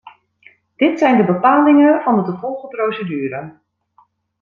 Dit zijn de bepalingen van de te volgen procedure.